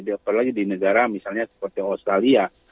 apalagi di negara misalnya seperti australia